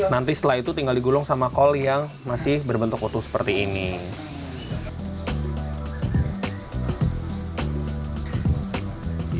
nanti setelah itu tinggal digulung sama kol yang masih berbentuk utuh seperti ini